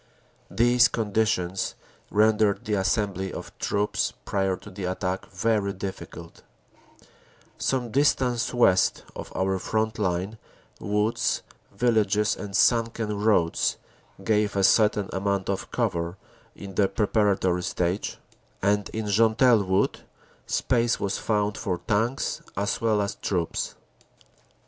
These conditions rendered the assembly of troops prior to the attack very difficult, Some distance west of our front line, woods, villages and sunken OPERATIONS: AUG. 8 roads gave a certain amount of cover in the preparatory stage, and in Gentelles Wood space was found for tanks as well as troops.